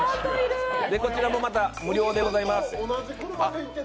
こちらもまた無料でございます。